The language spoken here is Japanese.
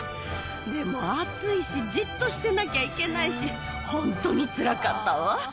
でも暑いし、じっとしてなきゃいけないし、本当につらかったわ。